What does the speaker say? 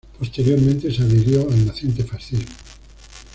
Posteriormente se adhirió al naciente fascismo.